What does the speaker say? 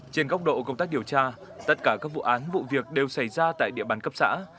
trên góc độ công tác điều tra tất cả các vụ án vụ việc đều xảy ra tại địa bàn cấp xã